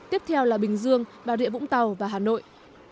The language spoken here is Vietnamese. tiếp theo là bình dương bà rịa vũng tàu và hà nội